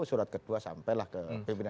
surat kedua sampelah ke pimpinan dewan